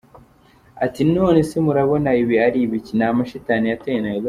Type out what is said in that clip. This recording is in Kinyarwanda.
Ati: “none se murabona ibi ari ibiki? Ni amashitani yateye Nairobi”.